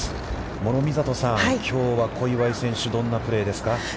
諸見里さん、きょうは、小祝選手、どんなプレーですか。